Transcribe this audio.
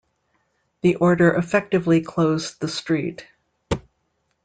The order effectively closed the street.